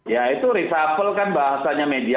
ya itu reshuffle kan bahasanya media